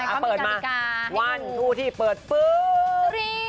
อ่ะเปิดมาวันที่ที่เปิดปุ๊บ